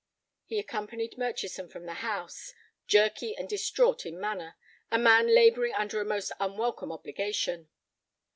He accompanied Murchison from the house, jerky and distraught in manner, a man laboring under a most unwelcome obligation.